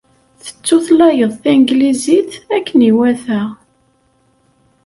Tettutlayeḍ tanglizit akken iwata.